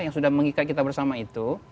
yang sudah mengikat kita bersama itu